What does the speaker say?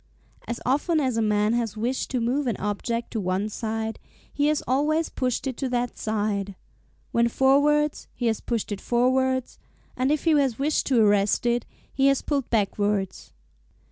As often as a man has wished to move an object to one side, he has always pushed it to that side when forwards, he has pushed it forwards; and if he has wished to arrest it, he has pulled backwards.